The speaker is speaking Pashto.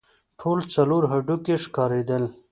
ټول څلور هډوکي ښکارېدل.